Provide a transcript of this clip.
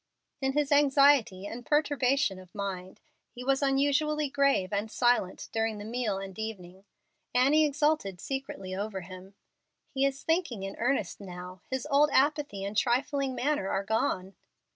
In his anxiety and perturbation of mind he was unusually grave and silent during the meal and evening. Annie exulted secretly over him. "He is thinking in earnest now. His old apathy and trifling manner are gone."